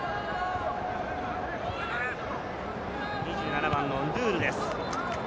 ２７番のンドゥールです。